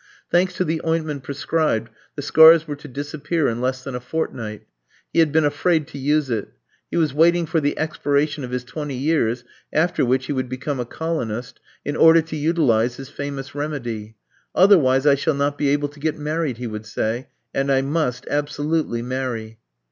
Thanks to the ointment prescribed, the scars were to disappear in less than a fortnight. He had been afraid to use it. He was waiting for the expiration of his twenty years (after which he would become a colonist) in order to utilise his famous remedy. "Otherwise I shall not be able to get married," he would say; "and I must absolutely marry."